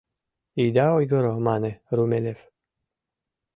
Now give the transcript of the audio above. — Ида ойгыро, — мане Румелёв.